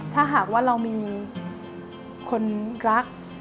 ถ้าหากว่าเรามีคนรัก